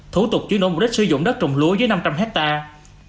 thủ tục chuyên nỗ mục đích sử dụng đất trồng lúa dưới năm trăm linh hectare